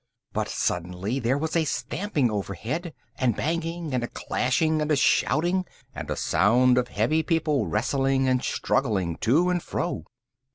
But suddenly there was a stamping overhead, and banging and a clashing, and a shouting, and a sound of heavy people wrestling and struggling to and fro.